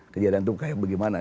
kejadian itu kayak gimana